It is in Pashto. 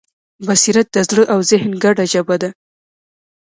بصیرت د زړه او ذهن ګډه ژبه ده.